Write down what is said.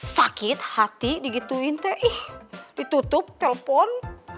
sakit hati digituin teh ditutup telepon